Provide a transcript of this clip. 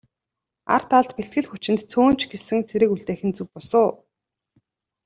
Ар талд бэлтгэл хүчинд цөөн ч гэсэн цэрэг үлдээх нь зөв бус уу?